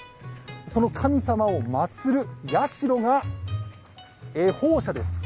その神様を祭る社が恵方社です。